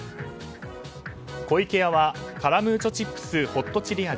湖池屋は、カラムーチョチップスホットチリ味